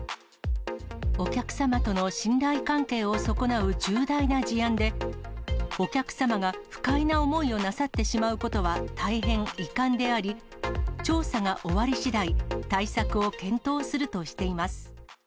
お客様との信頼関係を損なう重大な事案で、お客様が不快な思いをなさってしまうことは大変遺憾であり、調査が終わりしだい、対策を検討するとしています。